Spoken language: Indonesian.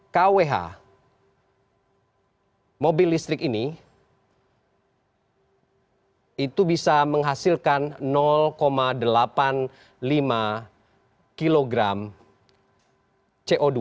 kwh mobil listrik ini itu bisa menghasilkan delapan puluh lima kg co dua